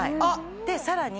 でさらに。